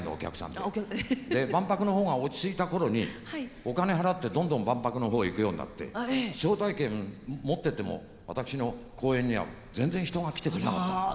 で万博の方が落ち着いた頃にお金払ってどんどん万博の方へ行くようになって招待券持ってても私の公演には全然人が来てくれなかったんです。